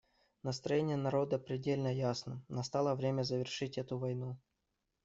Настроение народа предельно ясно: настало время завершить эту войну.